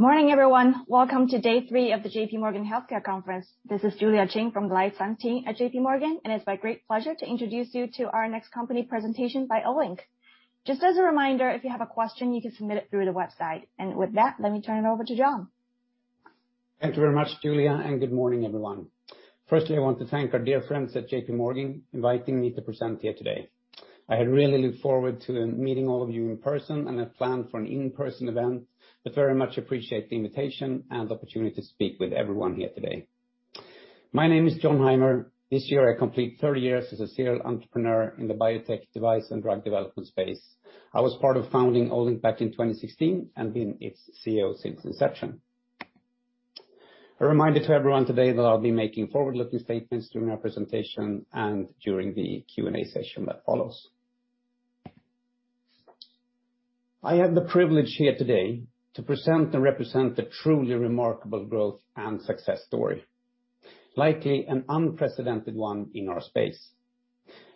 Morning, everyone. Welcome to day three of the J.P. Morgan Healthcare Conference. This is Julia Qin from the life science team at J.P. Morgan, and it's my great pleasure to introduce you to our next company presentation by Olink. Just as a reminder, if you have a question, you can submit it through the website. With that, let me turn it over to Jon. Thank you very much, Julia, and good morning, everyone. Firstly, I want to thank our dear friends at J.P. Morgan inviting me to present here today. I had really looked forward to meeting all of you in person and had planned for an in-person event, but very much appreciate the invitation and the opportunity to speak with everyone here today. My name is Jon Heimer. This year, I complete 30 years as a serial entrepreneur in the biotech device and drug development space. I was part of founding Olink back in 2016 and been its CEO since inception. A reminder to everyone today that I'll be making forward-looking statements during our presentation and during the Q&A session that follows. I have the privilege here today to present and represent the truly remarkable growth and success story, likely an unprecedented one in our space.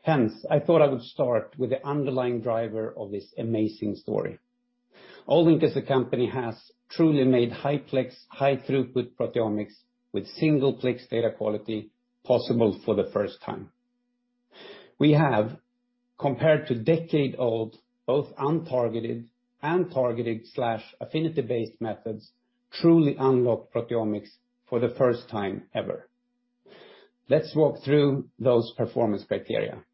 Hence, I thought I would start with the underlying driver of this amazing story. Olink as a company has truly made high plex, high throughput proteomics with single plex data quality possible for the first time. We have, compared to decade-old, both untargeted and targeted/affinity-based methods, truly unlocked proteomics for the first time ever. Let's walk through those performance criteria,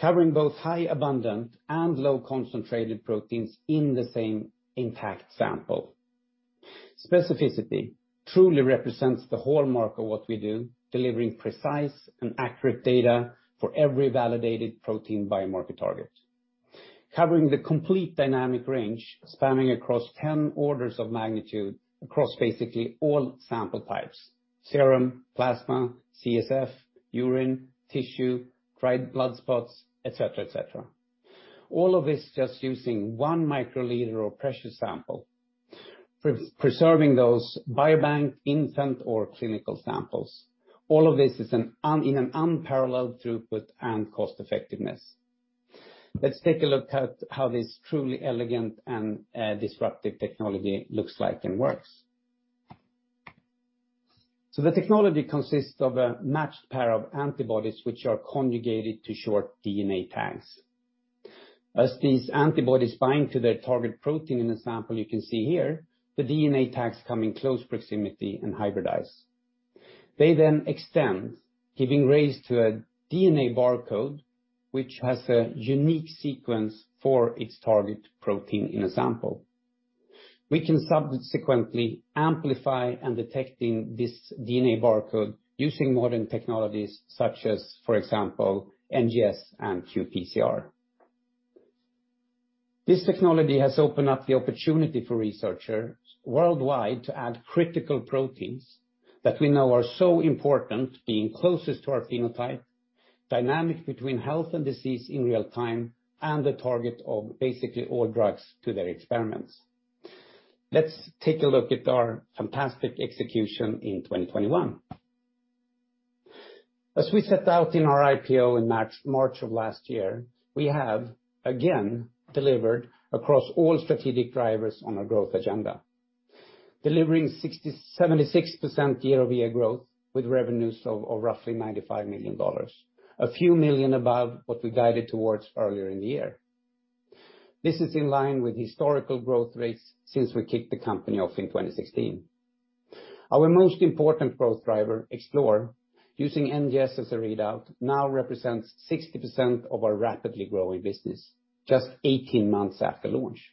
covering both high abundant and low concentrated proteins in the same intact sample. Specificity truly represents the hallmark of what we do, delivering precise and accurate data for every validated protein biomarker target, covering the complete dynamic range, spanning across 10 orders of magnitude across basically all sample types, serum, plasma, CSF, urine, tissue, dried blood spots, et cetera. All of this just using 1 microliter of precious sample, preserving those biobank, infant, or clinical samples. All of this is in an unparalleled throughput and cost effectiveness. Let's take a look at how this truly elegant and disruptive technology looks like and works. The technology consists of a matched pair of antibodies which are conjugated to short DNA tags. As these antibodies bind to their target protein in a sample you can see here, the DNA tags come in close proximity and hybridize. They then extend, giving rise to a DNA barcode, which has a unique sequence for its target protein in a sample. We can subsequently amplify and detect this DNA barcode using modern technologies such as, for example, NGS and qPCR. This technology has opened up the opportunity for researchers worldwide to add critical proteins that we know are so important being closest to our phenotype, dynamic between health and disease in real time, and the target of basically all drugs to their experiments. Let's take a look at our fantastic execution in 2021. As we set out in our IPO in March of last year, we have, again, delivered across all strategic drivers on our growth agenda, delivering 76% year-over-year growth with revenues of roughly $95 million, a few million above what we guided towards earlier in the year. This is in line with historical growth rates since we kicked the company off in 2016. Our most important growth driver, Explore, using NGS as a readout, now represents 60% of our rapidly growing business just 18 months after launch.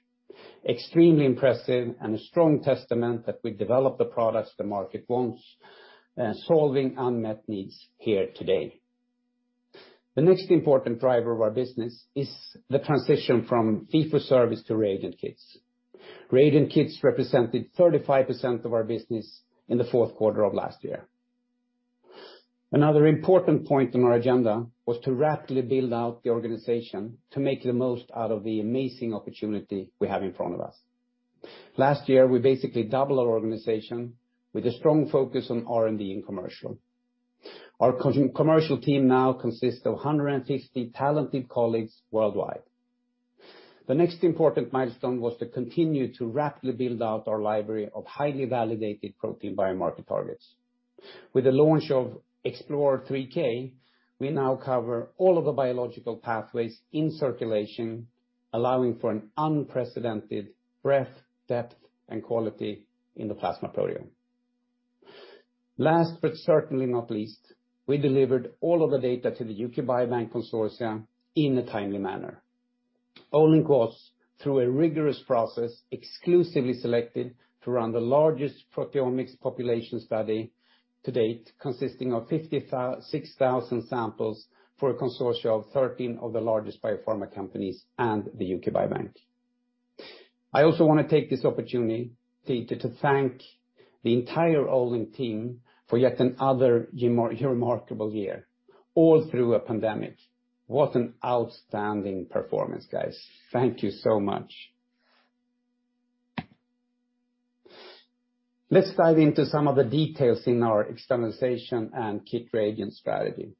Extremely impressive and a strong testament that we develop the products the market wants, solving unmet needs here today. The next important driver of our business is the transition from fee-for-service to reagent kits. Reagent kits represented 35% of our business in the fourth quarter of last year. Another important point on our agenda was to rapidly build out the organization to make the most out of the amazing opportunity we have in front of us. Last year, we basically doubled our organization with a strong focus on R&D and commercial. Our commercial team now consists of 150 talented colleagues worldwide. The next important milestone was to continue to rapidly build out our library of highly validated protein biomarker targets. With the launch of Explore 3K, we now cover all of the biological pathways in circulation, allowing for an unprecedented breadth, depth, and quality in the plasma proteome. Last, but certainly not least, we delivered all of the data to the UK Biobank Consortium in a timely manner. Olink was, through a rigorous process, exclusively selected to run the largest proteomics population study to date, consisting of 56,000 samples for a consortia of 13 of the largest biopharma companies and the UK Biobank. I also wanna take this opportunity to thank the entire Olink team for yet another remarkable year, all through a pandemic. What an outstanding performance, guys. Thank you so much. Let's dive into some of the details in our externalization and kit reagent strategy.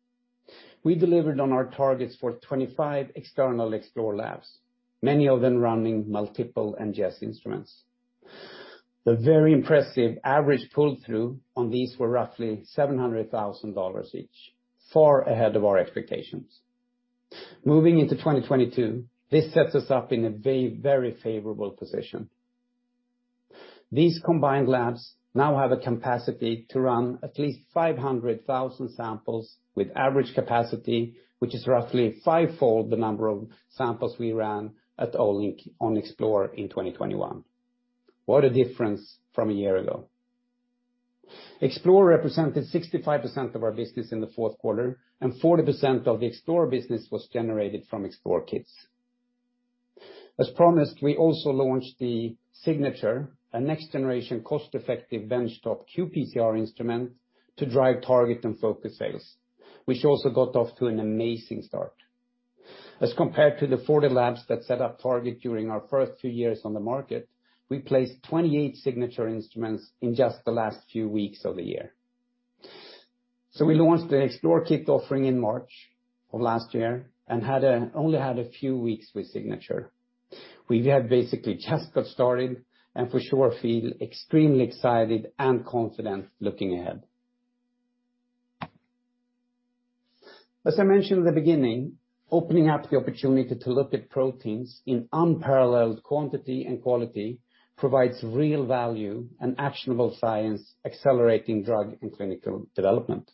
We delivered on our targets for 25 external Explore labs, many of them running multiple NGS instruments. The very impressive average pull-through on these were roughly $700,000 each, far ahead of our expectations. Moving into 2022, this sets us up in a very favorable position. These combined labs now have a capacity to run at least 500,000 samples with average capacity, which is roughly five times the number of samples we ran at Olink on Explore in 2021. What a difference from a year ago. Explore represented 65% of our business in the fourth quarter, and 40% of the Explore business was generated from Explore Kits. As promised, we also launched the Signature, a next-generation cost-effective benchtop qPCR instrument to drive Target and Focus sales, which also got off to an amazing start. As compared to the 40 labs that set up Target during our first two years on the market, we placed 28 Signature instruments in just the last few weeks of the year. We launched the Explore Kit offering in March of last year and only had a few weeks with Signature. We have basically just got started and for sure feel extremely excited and confident looking ahead. As I mentioned in the beginning, opening up the opportunity to look at proteins in unparalleled quantity and quality provides real value and actionable science, accelerating drug and clinical development.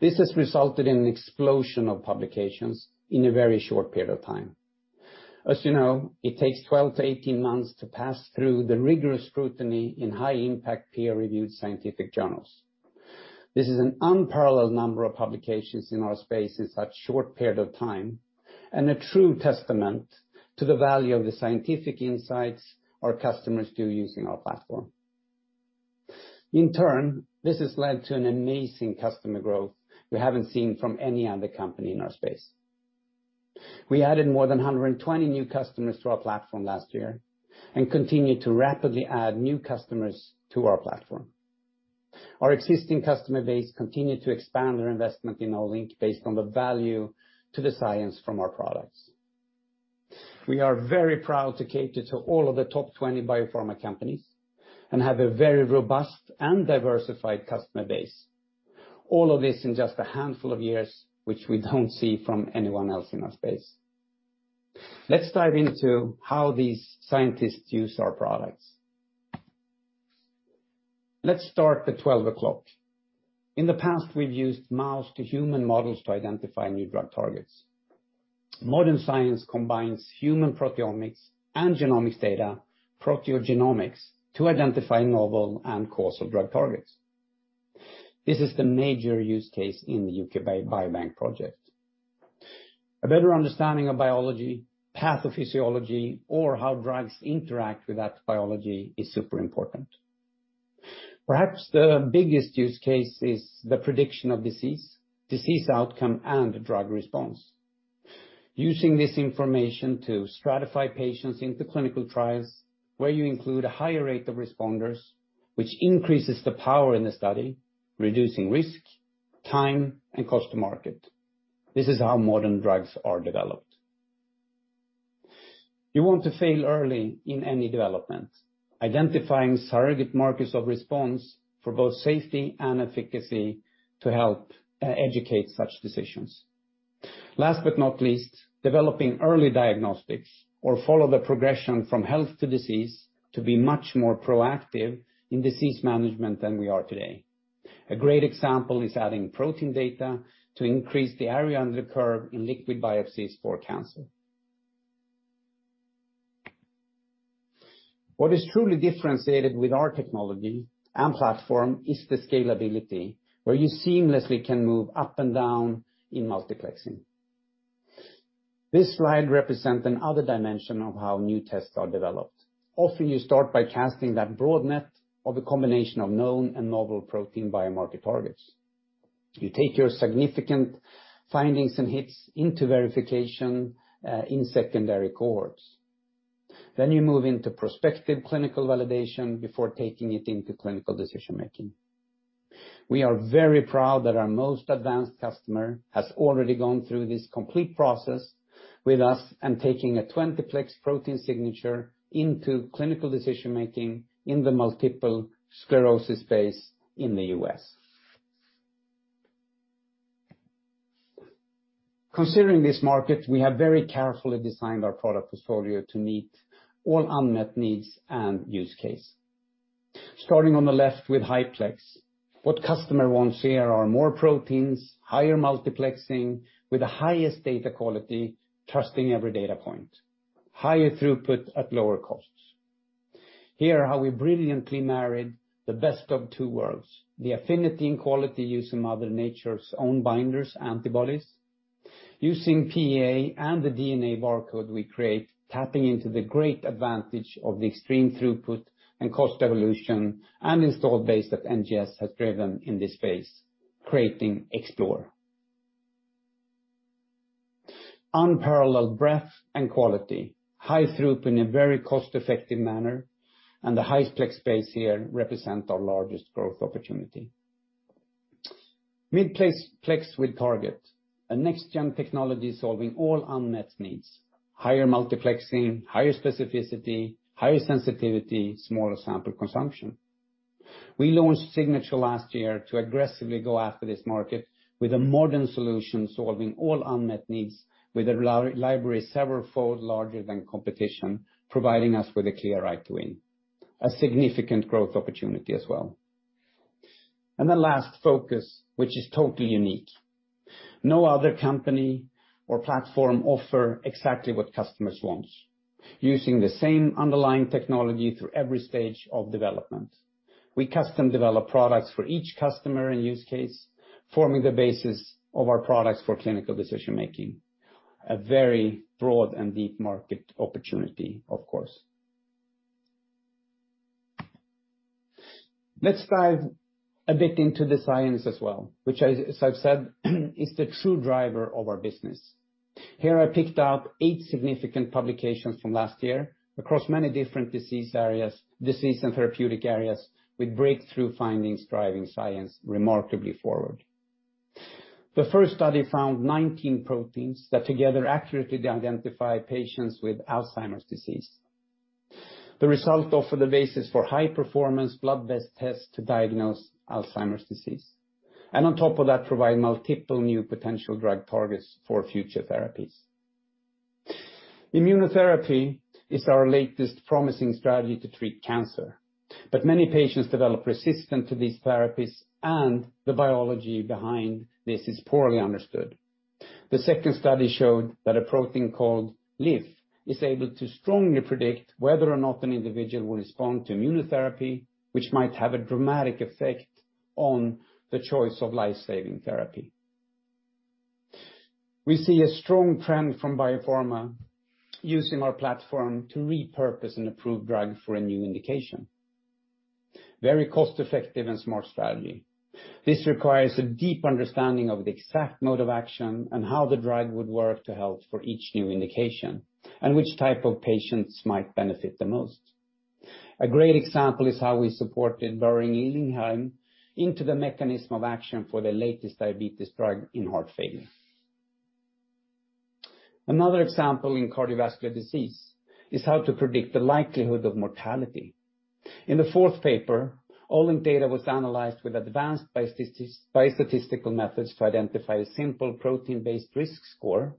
This has resulted in an explosion of publications in a very short period of time. As you know, it takes 12-18 months to pass through the rigorous scrutiny in high impact peer-reviewed scientific journals. This is an unparalleled number of publications in our space in such short period of time, and a true testament to the value of the scientific insights our customers do using our platform. In turn, this has led to an amazing customer growth we haven't seen from any other company in our space. We added more than 120 new customers to our platform last year and continue to rapidly add new customers to our platform. Our existing customer base continued to expand their investment in Olink based on the value to the science from our products. We are very proud to cater to all of the top 20 biopharma companies and have a very robust and diversified customer base. All of this in just a handful of years, which we don't see from anyone else in our space. Let's dive into how these scientists use our products. Let's start at 12 o'clock. In the past, we've used mouse to human models to identify new drug targets. Modern science combines human proteomics and genomics data, proteogenomics, to identify novel and causal drug targets. This is the major use case in the UK Biobank project. A better understanding of biology, pathophysiology, or how drugs interact with that biology is super important. Perhaps the biggest use case is the prediction of disease outcome, and drug response. Using this information to stratify patients into clinical trials, where you include a higher rate of responders, which increases the power in the study, reducing risk, time, and cost to market. This is how modern drugs are developed. You want to fail early in any development, identifying surrogate markers of response for both safety and efficacy to help educate such decisions. Last but not least, developing early diagnostics or follow the progression from health to disease to be much more proactive in disease management than we are today. A great example is adding protein data to increase the area under the curve in liquid biopsies for cancer. What is truly differentiated with our technology and platform is the scalability, where you seamlessly can move up and down in multiplexing. This slide represents another dimension of how new tests are developed. Often, you start by casting that broad net of a combination of known and novel protein biomarker targets. You take your significant findings and hits into verification in secondary cohorts. Then you move into prospective clinical validation before taking it into clinical decision-making. We are very proud that our most advanced customer has already gone through this complete process with us and taking a 20-plex protein signature into clinical decision-making in the multiple sclerosis space in the U.S. Considering this market, we have very carefully designed our product portfolio to meet all unmet needs and use case. Starting on the left with high plex. What customer wants here are more proteins, higher multiplexing with the highest data quality, trusting every data point, higher throughput at lower costs. Here's how we brilliantly married the best of two worlds, the affinity and quality using mother nature's own binders, antibodies. Using PEA and the DNA barcode we create, tapping into the great advantage of the extreme throughput and cost evolution and installed base that NGS has driven in this space, creating Explore. Unparalleled breadth and quality, high throughput in a very cost-effective manner, and the highest plex space here represent our largest growth opportunity. Mid-plex with Target, a next-gen technology solving all unmet needs, higher multiplexing, higher specificity, higher sensitivity, smaller sample consumption. We launched Signature last year to aggressively go after this market with a modern solution solving all unmet needs with a library several-fold larger than competition, providing us with a clear right to win. A significant growth opportunity as well. The last focus, which is totally unique. No other company or platform offer exactly what customers want. Using the same underlying technology through every stage of development. We custom develop products for each customer and use case, forming the basis of our products for clinical decision-making. A very broad and deep market opportunity, of course. Let's dive a bit into the science as well, which, as I've said, is the true driver of our business. Here, I picked out eight significant publications from last year across many different disease areas and therapeutic areas with breakthrough findings driving science remarkably forward. The first study found 19 proteins that together accurately identify patients with Alzheimer's disease. The result offered the basis for high performance blood-based tests to diagnose Alzheimer's disease. On top of that, provide multiple new potential drug targets for future therapies. Immunotherapy is our latest promising strategy to treat cancer, but many patients develop resistance to these therapies, and the biology behind this is poorly understood. The second study showed that a protein called LIF is able to strongly predict whether or not an individual will respond to immunotherapy, which might have a dramatic effect on the choice of life-saving therapy. We see a strong trend from biopharma using our platform to repurpose an approved drug for a new indication. Very cost-effective and smart strategy. This requires a deep understanding of the exact mode of action and how the drug would work to help for each new indication, and which type of patients might benefit the most. A great example is how we supported Boehringer Ingelheim into the mechanism of action for the latest diabetes drug in heart failure. Another example in cardiovascular disease is how to predict the likelihood of mortality. In the fourth paper, Olink data was analyzed with advanced biostatistical methods to identify a simple protein-based risk score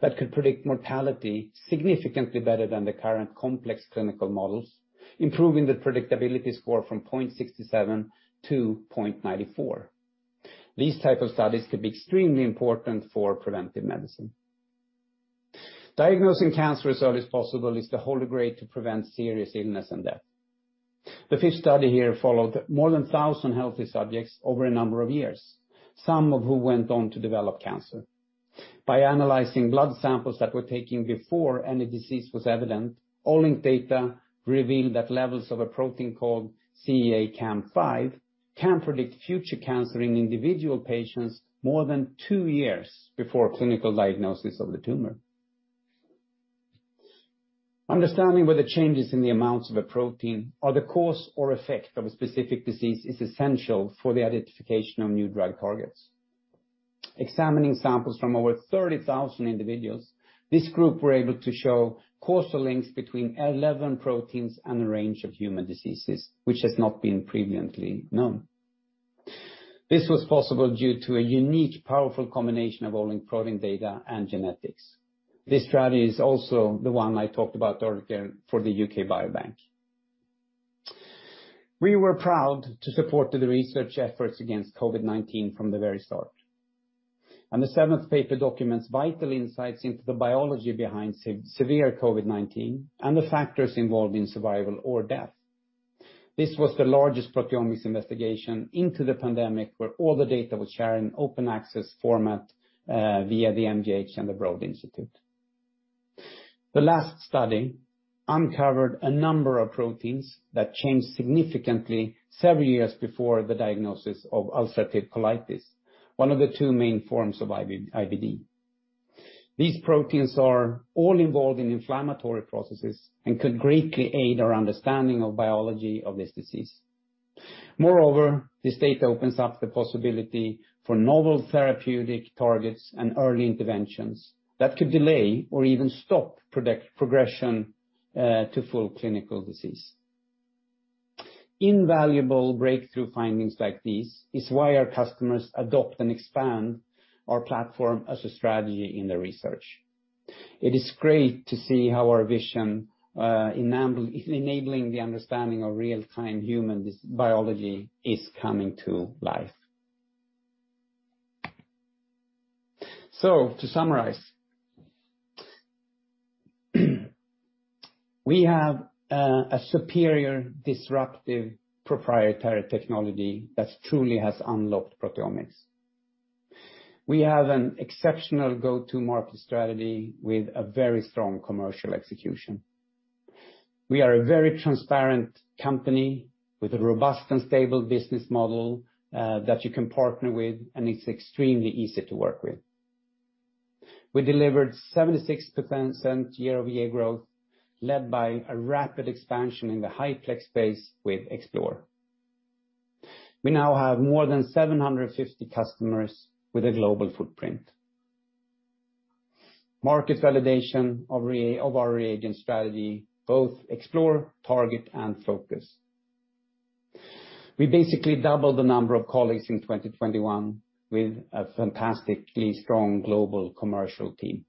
that could predict mortality significantly better than the current complex clinical models, improving the predictability score from 0.67 to 0.94. These type of studies could be extremely important for preventive medicine. Diagnosing cancer as early as possible is the holy grail to prevent serious illness and death. The fifth study here followed more than 1,000 healthy subjects over a number of years, some of who went on to develop cancer. By analyzing blood samples that were taken before any disease was evident, Olink data revealed that levels of a protein called CEACAM5 can predict future cancer in individual patients more than two years before clinical diagnosis of the tumor. Understanding whether changes in the amounts of a protein are the cause or effect of a specific disease is essential for the identification of new drug targets. Examining samples from over 30,000 individuals, this group were able to show causal links between eleven proteins and a range of human diseases, which has not been previously known. This was possible due to a unique, powerful combination of Olink protein data and genetics. This strategy is also the one I talked about earlier for the UK Biobank. We were proud to support the research efforts against COVID-19 from the very start. The seventh paper documents vital insights into the biology behind severe COVID-19 and the factors involved in survival or death. This was the largest proteomics investigation into the pandemic, where all the data was shared in open access format via the MGH and the Broad Institute. The last study uncovered a number of proteins that changed significantly several years before the diagnosis of ulcerative colitis, one of the two main forms of IBD. These proteins are all involved in inflammatory processes and could greatly aid our understanding of biology of this disease. Moreover, this data opens up the possibility for novel therapeutic targets and early interventions that could delay or even stop progression to full clinical disease. Invaluable breakthrough findings like these is why our customers adopt and expand our platform as a strategy in their research. It is great to see how our vision, enabling the understanding of real-time human biology is coming to life. To summarize, we have a superior disruptive proprietary technology that truly has unlocked proteomics. We have an exceptional go-to-market strategy with a very strong commercial execution. We are a very transparent company with a robust and stable business model that you can partner with, and it's extremely easy to work with. We delivered 76% year-over-year growth, led by a rapid expansion in the high plex space with Explore. We now have more than 750 customers with a global footprint. Market validation of our reagent strategy, both Explore, Target, and Focus. We basically doubled the number of colleagues in 2021 with a fantastically strong global commercial team.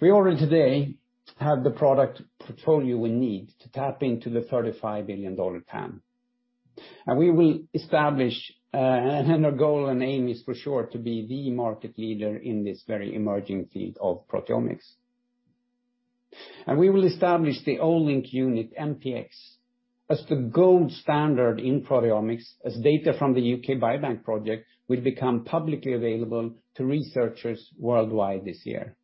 We already today have the product portfolio we need to tap into the $35 billion TAM. We will establish, and our goal and aim is for sure to be the market leader in this very emerging field of proteomics. We will establish the Olink NPX as the gold standard in proteomics, as data from the UK Biobank project will become publicly available to researchers worldwide this year.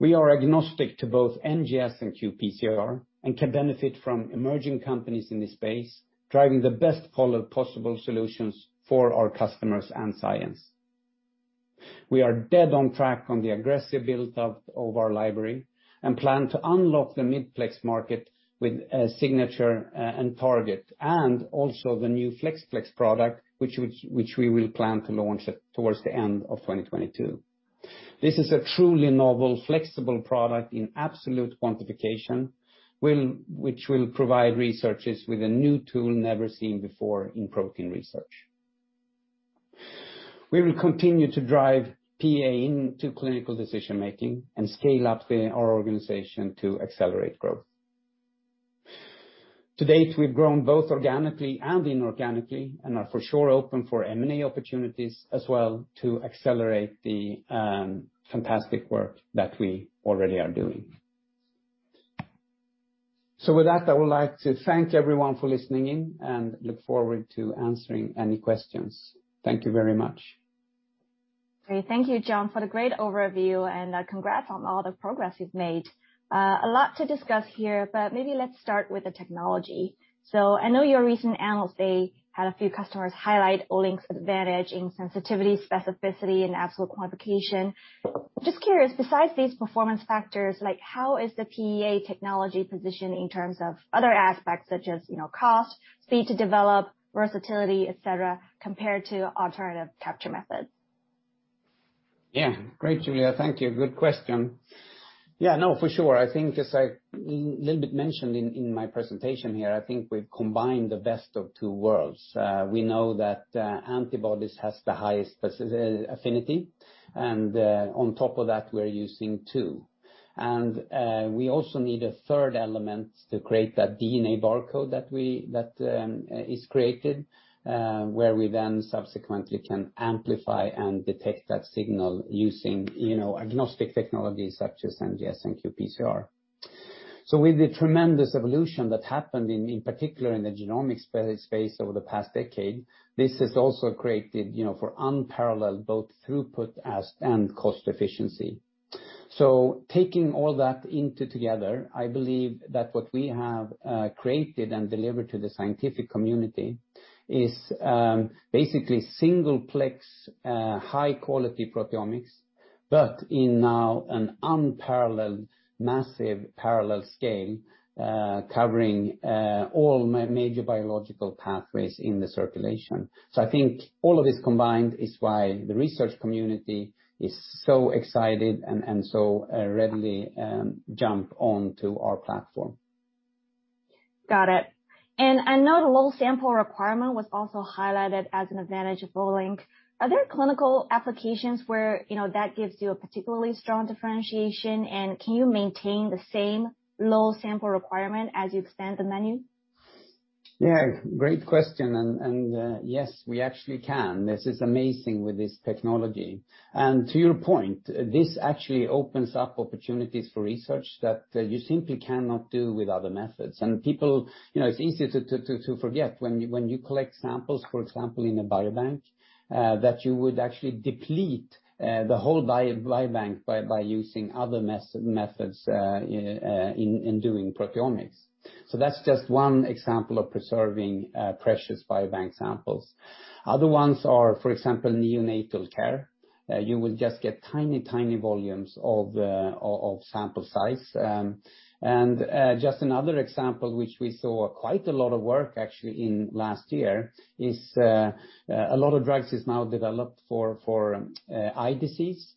We are agnostic to both NGS and qPCR, and can benefit from emerging companies in this space, driving the best possible solutions for our customers and science. We are dead on track on the aggressive build out of our library, and plan to unlock the mid plex market with a Signature and Target, and also the new Flex product, which we will plan to launch towards the end of 2022. This is a truly novel, flexible product in absolute quantification, which will provide researchers with a new tool never seen before in protein research. We will continue to drive PEA into clinical decision-making and scale up our organization to accelerate growth. To date, we've grown both organically and inorganically and are for sure open for M&A opportunities as well to accelerate the fantastic work that we already are doing. With that, I would like to thank everyone for listening in and look forward to answering any questions. Thank you very much. Okay. Thank you, Jon, for the great overview. Congrats on all the progress you've made. A lot to discuss here, but maybe let's start with the technology. I know your recent analyst day had a few customers highlight Olink's advantage in sensitivity, specificity, and absolute quantification. Just curious, besides these performance factors, like how is the PEA technology positioned in terms of other aspects such as, you know, cost, speed to develop, versatility, et cetera, compared to alternative capture methods? Yeah. Great, Julia. Thank you. Good question. Yeah, no, for sure. I think just like little bit mentioned in my presentation here, I think we've combined the best of two worlds. We know that antibodies has the highest affinity, and on top of that, we're using two. We also need a third element to create that DNA barcode that is created, where we then subsequently can amplify and detect that signal using you know agnostic technologies such as NGS and qPCR. With the tremendous evolution that happened in particular in the genomics space over the past decade, this has also created you know unparalleled both throughput and cost efficiency. Taking all that into together, I believe that what we have created and delivered to the scientific community is basically single plex high quality proteomics, but in now an unparalleled massive parallel scale covering all major biological pathways in the circulation. I think all of this combined is why the research community is so excited and so readily jump onto our platform. Got it. I know the low sample requirement was also highlighted as an advantage of Olink. Are there clinical applications where, you know, that gives you a particularly strong differentiation, and can you maintain the same low sample requirement as you expand the menu? Yeah, great question. Yes, we actually can. This is amazing with this technology. To your point, this actually opens up opportunities for research that you simply cannot do with other methods. People, you know, it's easy to forget when you collect samples, for example, in a biobank, that you would actually deplete the whole biobank by using other methods in doing proteomics. That's just one example of preserving precious biobank samples. Other ones are, for example, neonatal care. You will just get tiny volumes of sample size. Just another example which we saw quite a lot of work actually in last year is a lot of drugs is now developed for eye disease.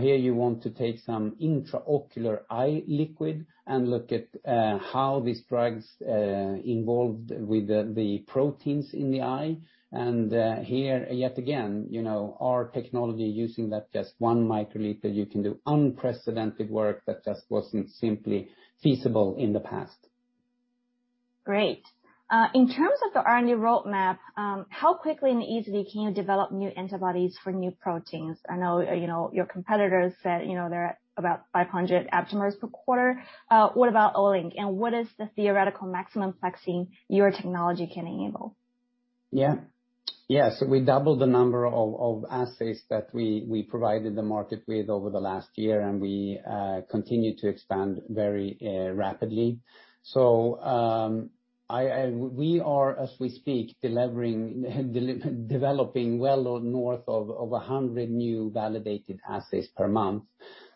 Here you want to take some intraocular eye liquid and look at how these drugs involved with the proteins in the eye. Here, yet again, you know, our technology using that just 1 microliter, you can do unprecedented work that just wasn't simply feasible in the past. Great. In terms of the R&D roadmap, how quickly and easily can you develop new antibodies for new proteins? I know your competitors said they're at about 500 aptamers per quarter. What about Olink? What is the theoretical maximum plexing your technology can enable? Yes, we doubled the number of assays that we provided the market with over the last year, and we continue to expand very rapidly. We are, as we speak, developing well north of 100 new validated assays per month.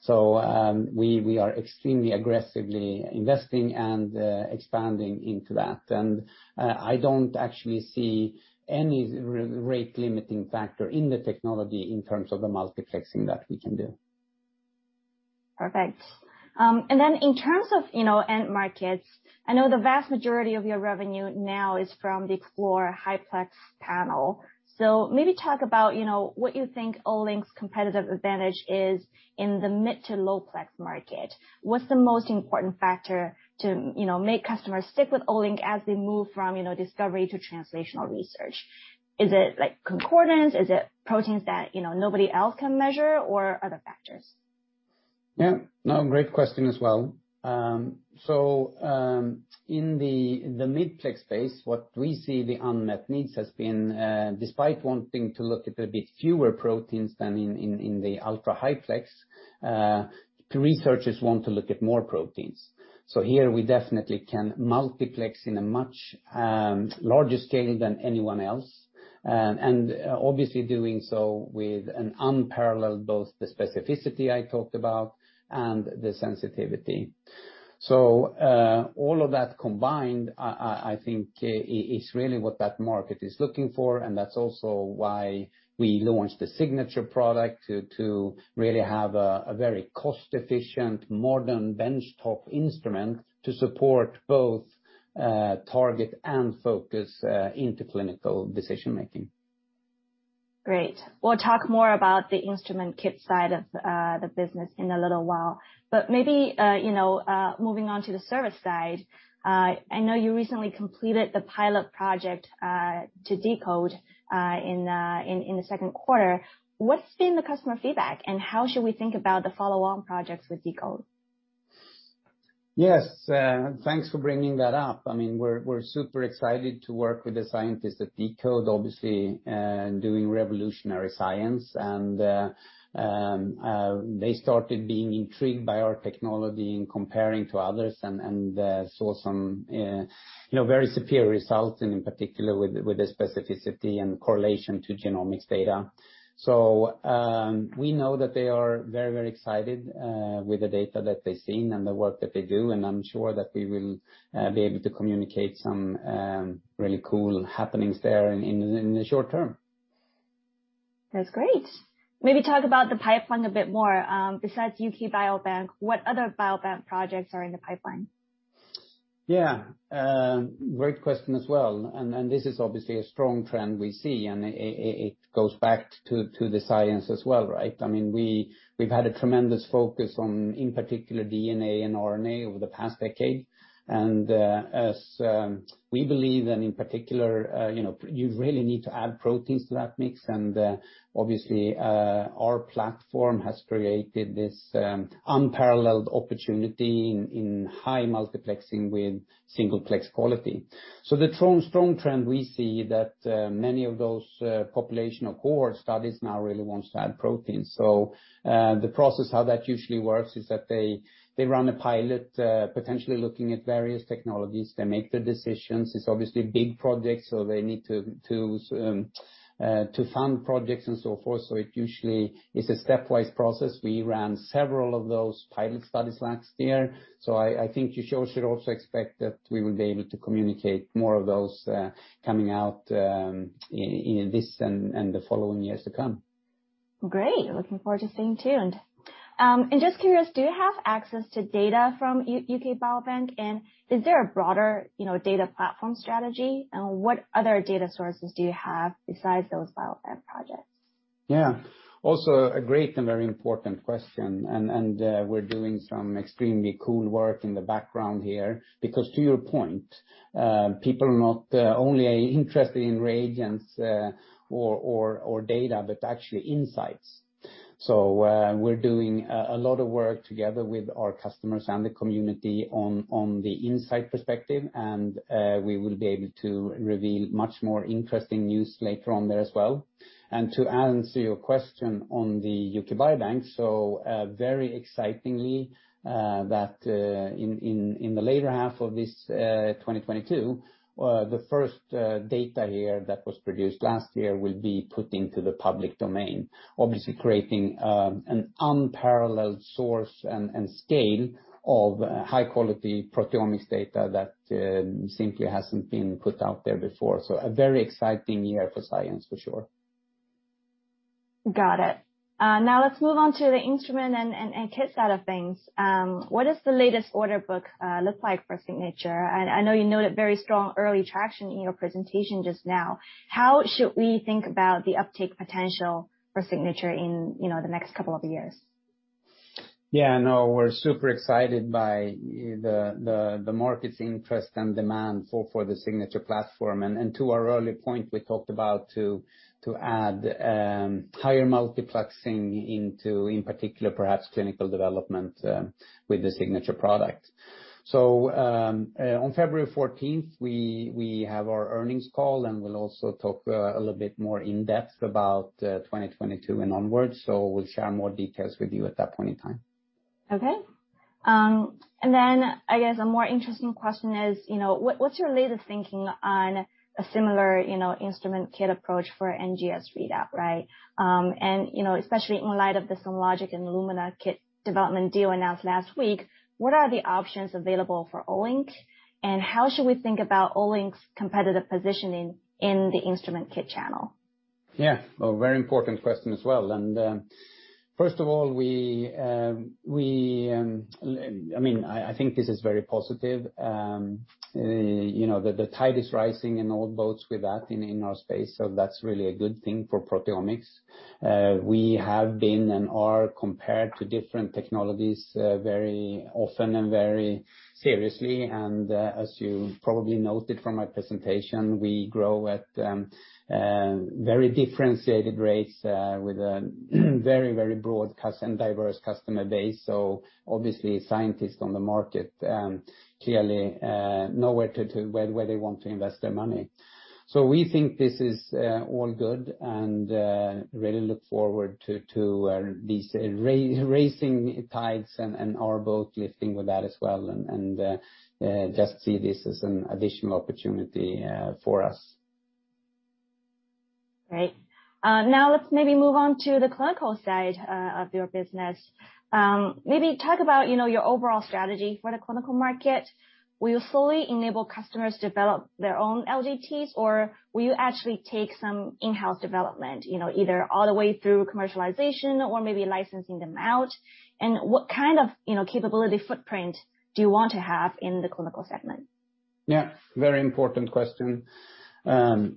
We are extremely aggressively investing and expanding into that. I don't actually see any rate-limiting factor in the technology in terms of the multiplexing that we can do. Perfect. In terms of, you know, end markets, I know the vast majority of your revenue now is from the Explore high-plex panel. Maybe talk about, you know, what you think Olink's competitive advantage is in the mid- to low-plex market. What's the most important factor to, you know, make customers stick with Olink as they move from, you know, discovery to translational research? Is it like concordance? Is it proteins that, you know, nobody else can measure or other factors? Yeah. No, great question as well. In the midplex space, what we see the unmet needs has been, despite wanting to look at a bit fewer proteins than in the ultra highplex, researchers want to look at more proteins. Here we definitely can multiplex in a much larger scale than anyone else. Obviously doing so with an unparalleled both the specificity I talked about and the sensitivity. All of that combined, I think, is really what that market is looking for, and that's also why we launched the Signature product to really have a very cost-efficient modern benchtop instrument to support both Target and Focus into clinical decision-making. Great. We'll talk more about the instrument kit side of the business in a little while. Maybe, you know, moving on to the service side, I know you recently completed the pilot project to deCODE in the second quarter. What's been the customer feedback, and how should we think about the follow on projects with deCODE? Yes. Thanks for bringing that up. I mean, we're super excited to work with the scientists at deCODE, obviously, doing revolutionary science and they started being intrigued by our technology and comparing to others and saw some, you know, very superior results, and in particular with the specificity and correlation to genomics data. We know that they are very excited with the data that they've seen and the work that they do, and I'm sure that we will be able to communicate some really cool happenings there in the short term. That's great. Maybe talk about the pipeline a bit more. Besides UK Biobank, what other biobank projects are in the pipeline? Yeah. Great question as well. This is obviously a strong trend we see, and it goes back to the science as well, right? I mean, we've had a tremendous focus on, in particular, DNA and RNA over the past decade. As we believe, and in particular, you know, you really need to add proteins to that mix. Obviously, our platform has created this unparalleled opportunity in high multiplexing with singleplex quality. The strong trend we see that many of those population cohort studies now really wants to add proteins. The process, how that usually works is that they run a pilot, potentially looking at various technologies. They make the decisions. It's obviously a big project, so they need to fund projects and so forth. It usually is a stepwise process. We ran several of those pilot studies last year. I think you should also expect that we will be able to communicate more of those coming out in this and the following years to come. Great. Looking forward to staying tuned. Just curious, do you have access to data from UK Biobank, and is there a broader, you know, data platform strategy? What other data sources do you have besides those biobank projects? Yeah. Also a great and very important question. We're doing some extremely cool work in the background here because to your point, people are not only interested in reagents or data, but actually insights. We're doing a lot of work together with our customers and the community on the insight perspective. We will be able to reveal much more interesting news later on there as well. To answer your question on the UK Biobank, very excitingly, that in the latter half of this 2022, the first data year that was produced last year will be put into the public domain. Obviously, creating an unparalleled source and scale of high-quality proteomics data that simply hasn't been put out there before. A very exciting year for science for sure. Got it. Now let's move on to the instrument and kit side of things. What does the latest order book look like for Signature? And I know you noted very strong early traction in your presentation just now. How should we think about the uptake potential for Signature in, you know, the next couple of years? Yeah, no, we're super excited by the market's interest and demand for the Signature platform. To our earlier point, we talked about to add higher multiplexing into, in particular, perhaps clinical development, with the Signature product. On February 14, we have our earnings call, and we'll also talk a little bit more in depth about 2022 and onwards. We'll share more details with you at that point in time. Okay. I guess a more interesting question is, you know, what's your latest thinking on a similar, you know, instrument kit approach for NGS readout, right? You know, especially in light of the SomaLogic and Illumina kit development deal announced last week, what are the options available for Olink, and how should we think about Olink's competitive positioning in the instrument kit channel? Yeah. A very important question as well. First of all, I mean, I think this is very positive. You know, the tide is rising and all boats with that in our space, so that's really a good thing for proteomics. We have been and are compared to different technologies very often and very seriously. As you probably noted from my presentation, we grow at very differentiated rates with a very broad and diverse customer base. Obviously scientists on the market clearly know where they want to invest their money. We think this is all good and really look forward to these rising tides and our boat lifting with that as well, and just see this as an additional opportunity for us. Great. Now let's maybe move on to the clinical side of your business. Maybe talk about, you know, your overall strategy for the clinical market. Will you slowly enable customers to develop their own LDTs, or will you actually take some in-house development, you know, either all the way through commercialization or maybe licensing them out? And what kind of, you know, capability footprint do you want to have in the clinical segment? Yeah, very important question. Our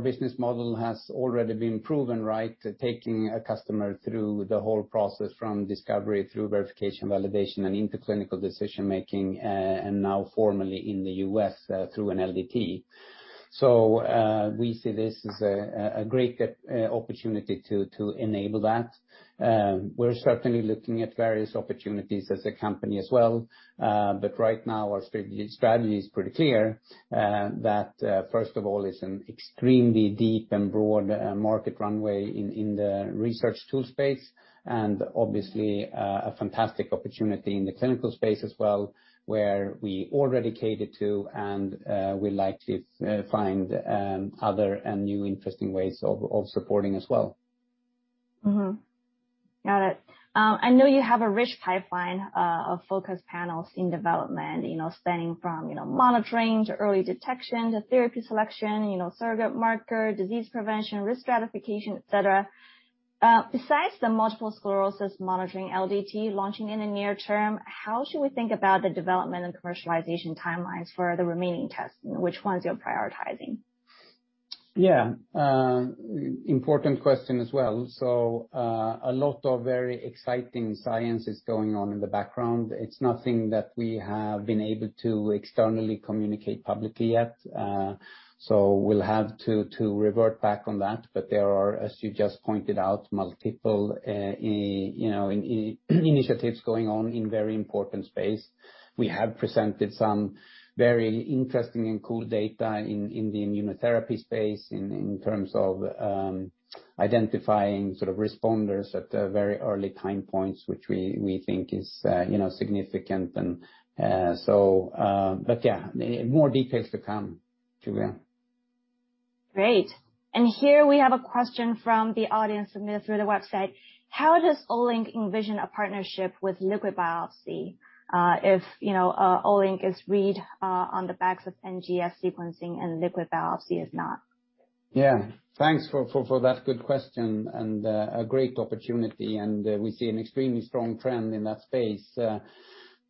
business model has already been proven right, taking a customer through the whole process from discovery through verification, validation, and into clinical decision-making, and now formally in the U.S., through an LDT. We see this as a great opportunity to enable that. We're certainly looking at various opportunities as a company as well. Right now our strategy is pretty clear, that first of all, it's an extremely deep and broad market runway in the research tool space, and obviously, a fantastic opportunity in the clinical space as well, where we already cater to and we'd like to find other and new interesting ways of supporting as well. Got it. I know you have a rich pipeline of Focus panels in development, you know, spanning from, you know, monitoring to early detection to therapy selection, you know, surrogate marker, disease prevention, risk stratification, et cetera. Besides the multiple sclerosis monitoring LDT launching in the near term, how should we think about the development and commercialization timelines for the remaining tests, and which ones you're prioritizing? Yeah. Important question as well. A lot of very exciting science is going on in the background. It's nothing that we have been able to externally communicate publicly yet, so we'll have to revert back on that. There are, as you just pointed out, multiple, you know, initiatives going on in very important space. We have presented some very interesting and cool data in the immunotherapy space in terms of identifying sort of responders at very early time points, which we think is, you know, significant. Yeah, more details to come, Julia. Great. Here we have a question from the audience submitted through the website. How does Olink envision a partnership with liquid biopsy, if you know, Olink is readout on the backs of NGS sequencing and liquid biopsy is not? Yeah. Thanks for that good question and a great opportunity, and we see an extremely strong trend in that space.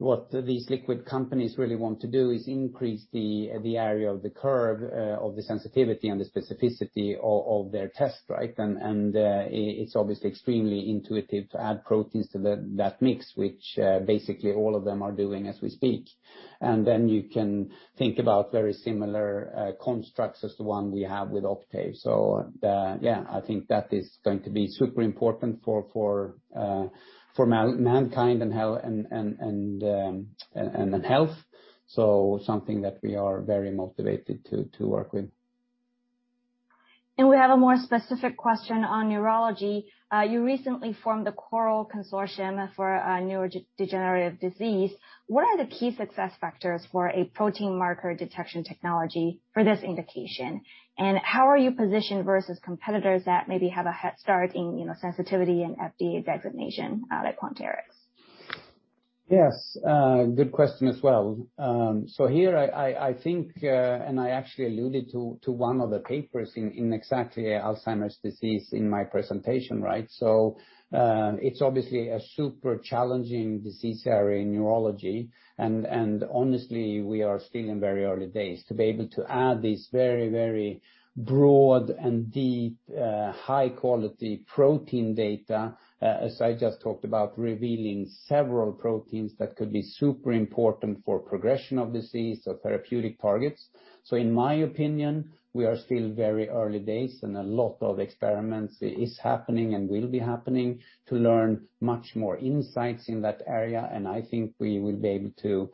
What these liquid companies really want to do is increase the area of the curve of the sensitivity and the specificity of their test, right? It's obviously extremely intuitive to add proteins to that mix, which basically all of them are doing as we speak. Then you can think about very similar constructs as the one we have with Octave. I think that is going to be super important for mankind and health, so something that we are very motivated to work with. We have a more specific question on neurology. You recently formed the CORAL Consortium for neurodegenerative disease. What are the key success factors for a protein marker detection technology for this indication? How are you positioned versus competitors that maybe have a head start in, you know, sensitivity and FDA designation, like Quanterix? Yes, good question as well. Here I think, and I actually alluded to one of the papers in exactly Alzheimer's disease in my presentation, right? It's obviously a super challenging disease area in neurology. Honestly, we are still in very early days to be able to add these very broad and deep, high quality protein data, as I just talked about, revealing several proteins that could be super important for progression of disease or therapeutic targets. In my opinion, we are still very early days and a lot of experiments is happening and will be happening to learn much more insights in that area. I think we will be able to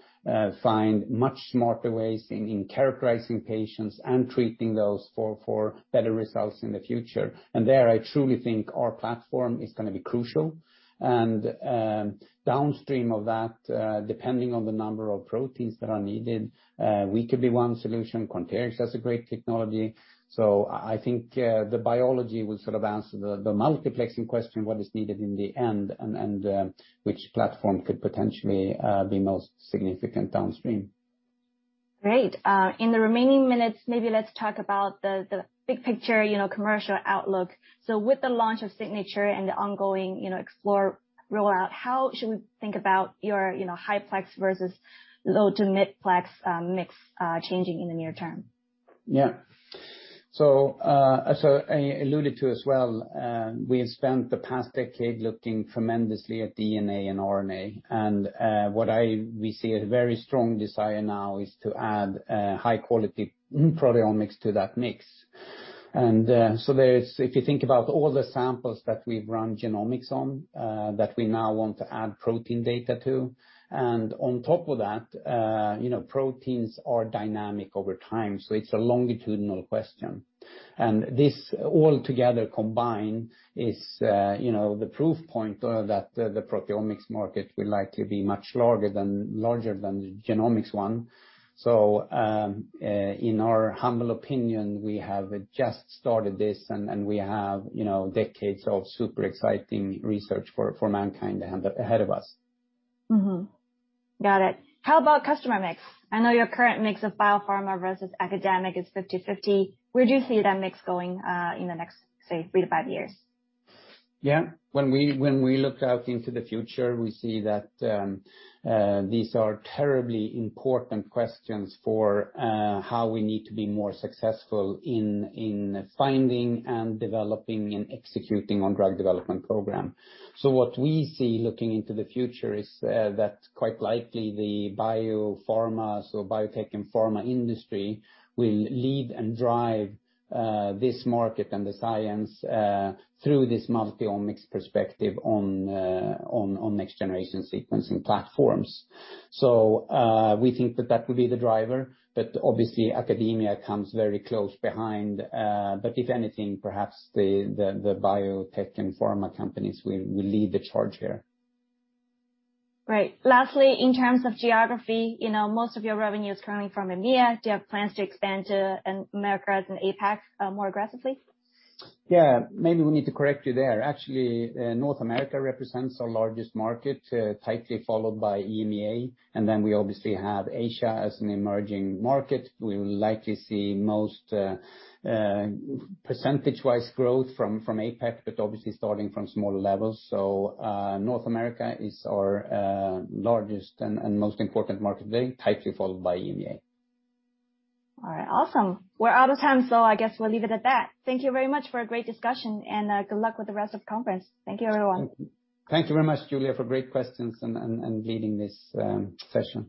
find much smarter ways in characterizing patients and treating those for better results in the future. There, I truly think our platform is gonna be crucial. Downstream of that, depending on the number of proteins that are needed, we could be one solution. Quanterix has a great technology. I think the biology will sort of answer the multiplexing question, what is needed in the end, and which platform could potentially be most significant downstream. Great. In the remaining minutes, maybe let's talk about the big picture, you know, commercial outlook. With the launch of Signature and the ongoing, you know, Explore rollout, how should we think about your, you know, highplex versus low to midplex mix changing in the near term? I alluded to as well, we have spent the past decade looking tremendously at DNA and RNA. We see a very strong desire now is to add high quality proteomics to that mix. If you think about all the samples that we've run genomics on, that we now want to add protein data to, and on top of that, you know, proteins are dynamic over time, so it's a longitudinal question. This all together combined is, you know, the proof point that the proteomics market will likely be much larger than the genomics one. In our humble opinion, we have just started this and we have, you know, decades of super exciting research for mankind ahead of us. Mm-hmm. Got it. How about customer mix? I know your current mix of biopharma versus academic is 50/50. Where do you see that mix going in the next, say, three to five years? Yeah. When we look out into the future, we see that these are terribly important questions for how we need to be more successful in finding and developing and executing on drug development program. What we see looking into the future is that quite likely the biopharma, so biotech and pharma industry, will lead and drive this market and the science through this multi-omics perspective on next generation sequencing platforms. We think that will be the driver, but obviously academia comes very close behind. If anything, perhaps the biotech and pharma companies will lead the charge here. Right. Lastly, in terms of geography, you know, most of your revenue is currently from EMEA. Do you have plans to expand to Americas and APAC more aggressively? Yeah. Maybe we need to correct you there. Actually, North America represents our largest market, tightly followed by EMEA. We obviously have Asia as an emerging market. We will likely see most percentage-wise growth from APAC, but obviously starting from smaller levels. North America is our largest and most important market today, tightly followed by EMEA. All right. Awesome. We're out of time, so I guess we'll leave it at that. Thank you very much for a great discussion and, good luck with the rest of the conference. Thank you, everyone. Thank you very much, Julia, for great questions and leading this session.